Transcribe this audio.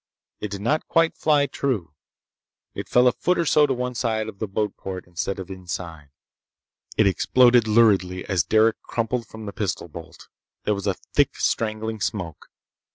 It did not fly quite true. It fell a foot or so to one side of the boatport instead of inside. It exploded luridly as Derec crumpled from the pistol bolt. There was thick, strangling smoke.